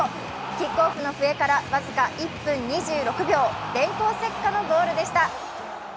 キックオフの笛から僅か１分２６秒電光石火のゴールでした。